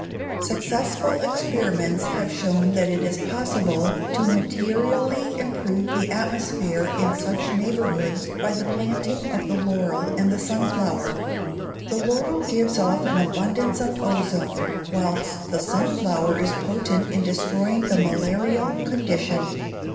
Successful experiments have shown that it is possible to materially improve the atmosphere in such neighbourhoods by the planting of the laurel and the sunflower. The laurel gives off an abundance of ozone, whilst the sunflower is potent in destroying the malarial condition.